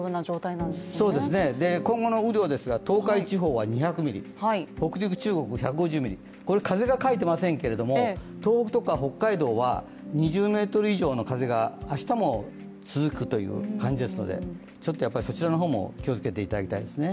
そうですね、今後の雨量ですが東海地方は２００ミリ、北陸・中国１５０ミリこれ、風が書いてないですが東北とか北海道は２０メートル以上の風が明日も続くという感じですのでちょっとそちらの方も気をつけていただきたいですね。